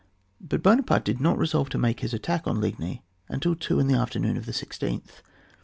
But Buonaparte did not resolve to make his attack on Ligny until two in the afternoon of the 16th.